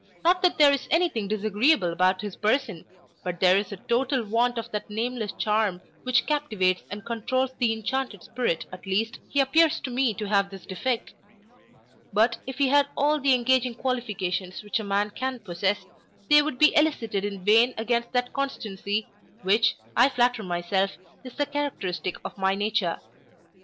Not that there is any thing disagreeable about his person, but there is a total want of that nameless charm which captivates and controuls the inchanted spirit at least, he appears to me to have this defect; but if he had all the engaging qualifications which a man can possess, they would be excited in vain against that constancy, which, I flatter myself, is the characteristic of my nature.